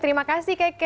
terima kasih keke